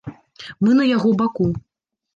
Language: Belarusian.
Мы на яго баку.